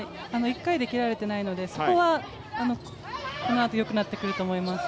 １回で切られていないので、そこはこのあとよくなってくると思います。